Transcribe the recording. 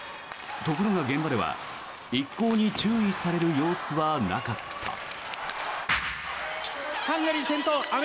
ところが現場では、一向に注意される様子はなかった。